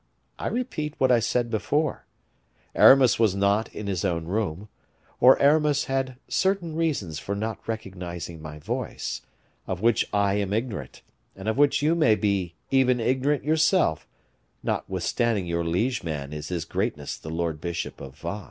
I repeat what I said before Aramis was not in his own room, or Aramis had certain reasons for not recognizing my voice, of which I am ignorant, and of which you may be even ignorant yourself, notwithstanding your liege man is His Greatness the Lord Bishop of Vannes."